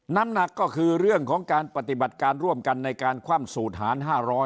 น้ำหนักก็คือเรื่องของการปฏิบัติการร่วมกันในการคว่ำสูตรหาร๕๐๐